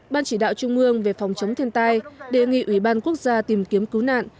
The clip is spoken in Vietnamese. ban chỉ đạo trung ương về phòng chống thiên tai đề nghị ủy ban quốc gia tìm kiếm cứu nạn